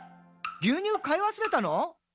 牛乳買い忘れたの？」